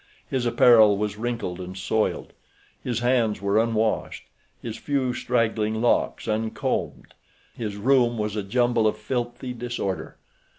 His apparel was wrinkled and soiled. His hands were unwashed, his few straggling locks uncombed. His room was a jumble of filthy disorder.